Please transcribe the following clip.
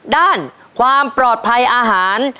ด้านความปลอดภัยอาหาร